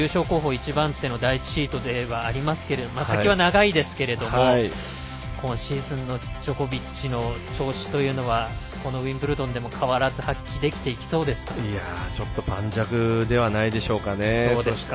１番手の第１シードではありますけれども先は長いですけども今シーズンのジョコビッチの調子というのはこのウィンブルドンでも変わらず発揮できていけそうですか。